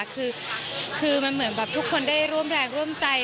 คือมันเหมือนแบบทุกคนได้ร่วมแรงร่วมใจ